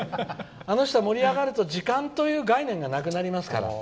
あの人、盛り上がると時間という概念がなくなりますから。